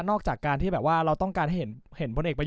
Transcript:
นอกจากการที่เราต้องการเห็น